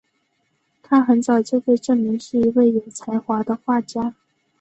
她很早就被证明是一位有才华的画家。